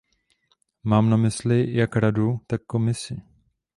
Mám na mysli jak Radu, tak Komisi.